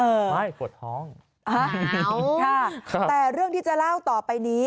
ไม่ปวดท้องอ่าค่ะแต่เรื่องที่จะเล่าต่อไปนี้